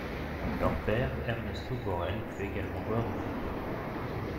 Leur père Ernesto Borel, fut également joueur de football.